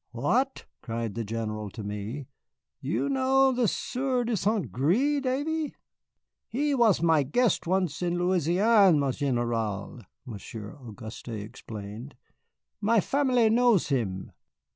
"What!" cried the General to me, "you know the Sieur de St. Gré, Davy?" "He is my guest once in Louisiane, mon général," Monsieur Auguste explained; "my family knows him."